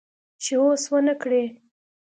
چې هوس ونه کړي